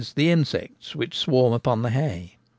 the insects which swarm on the hay.